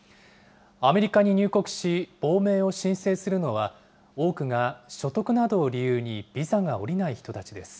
アメリカに入国し、亡命を申請するのは、多くが所得などを理由にビザが下りない人たちです。